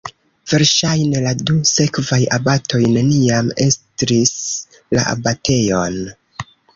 Verŝajne la du sekvaj abatoj neniam estris la abatejon.